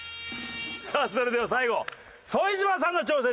さあそれでは最後副島さんの挑戦です。